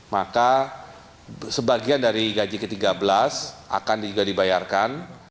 maka sebagian dari gaji ke tiga belas akan juga dibayarkan